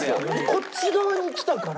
こっち側に来たから。